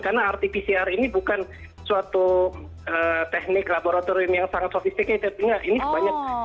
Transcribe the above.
karena rt pcr ini bukan suatu teknik laboratorium yang sangat sophisticated ini sebanyak